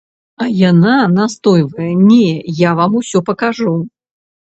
А яна настойвае, не, я вам усё пакажу.